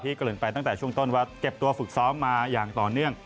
เกริ่นไปตั้งแต่ช่วงต้นว่าเก็บตัวฝึกซ้อมมาอย่างต่อเนื่อง